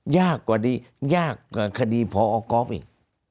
ยากกว่าคดีพอก๊อฟอีก